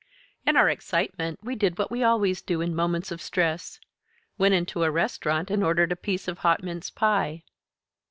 In our excitement we did what we always do in moments of stress went into a restaurant and ordered a piece of hot mince pie.